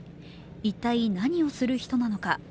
一体何する人なのか？